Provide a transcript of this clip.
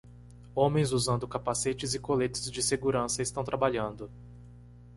Homens usando capacetes e coletes de segurança estão trabalhando.